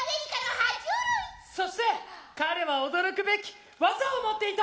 そして彼は驚くべき技を持っていた！